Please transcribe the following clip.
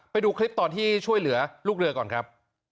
ไปดูคลิปตอนที่ช่วยเหลือลูกเรือก่อนครับ